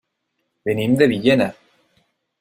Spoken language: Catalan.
Venim de Villena.